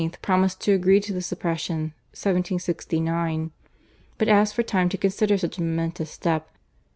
promised to agree to the suppression (1769), but asked for time to consider such a momentous step.